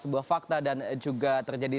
sebuah fakta dan juga terjadi